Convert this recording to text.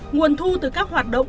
nguồn thu từ các hoạt động